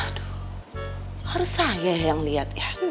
aduh harus sahih yang lihat ya